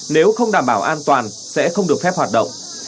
nếu không đảm bảo an toàn sẽ không được phép hoạt động